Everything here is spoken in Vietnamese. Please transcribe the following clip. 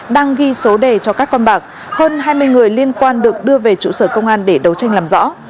đang ghi số đề cho các con bạc hơn hai mươi người liên quan được đưa về trụ sở công an để đấu tranh làm rõ